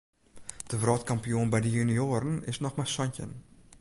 De wrâldkampioen by de junioaren is noch mar santjin.